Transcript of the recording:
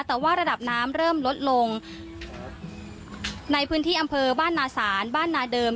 แต่ว่าระดับน้ำเริ่มลดลงในพื้นที่อำเภอบ้านนาศาลบ้านนาเดิม